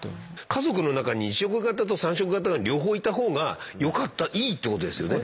家族の中に２色型と３色型が両方いた方がよかったいいってことですよね。